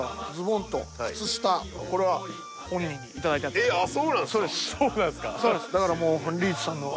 このあっそうなんですか？